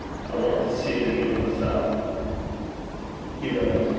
I want to see 't again, mysel'.' He rose.